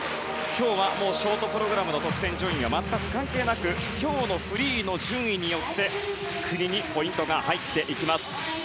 今日はショートプログラムの得点順位は全く関係なく今日のフリーの順位によって国にポイントが入っていきます。